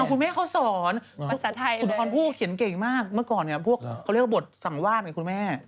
คุณแม่เขาสอนภาษาไทยคุณออนพูดเขียนเก่งมากเมื่อก่อนเนี่ยพวกเขาเรียกว่าบทสังวาดไงคุณแม่